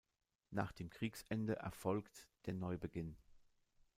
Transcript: Nach dem Kriegsende erfolgt der Neubeginn.